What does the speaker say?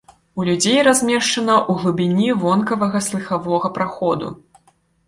У людзей размешчана ў глыбіні вонкавага слыхавога праходу.